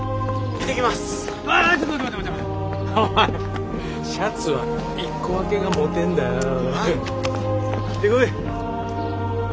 行ってこい。